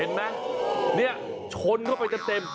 เห็นไหมเนี้ยช้อนเข้าไปเต็มส่ง